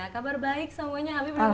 kabar baik semuanya habib